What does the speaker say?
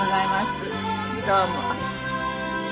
どうも。